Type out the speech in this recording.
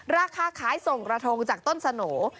ราคาขายส่งกระทงจากต้นสโหน่